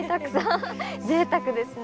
ぜいたくですね。